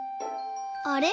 あれ？